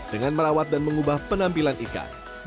dengan merawat dan mengubah penampilan ikan